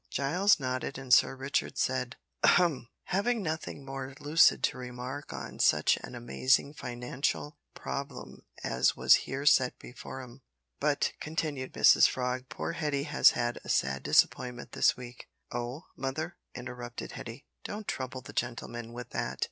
Giles nodded, and Sir Richard said, "ha a hem," having nothing more lucid to remark on such an amazing financial problem as was here set before him. "But," continued Mrs Frog, "poor Hetty has had a sad disappointment this week " "Oh! mother," interrupted Hetty, "don't trouble the gentleman with that.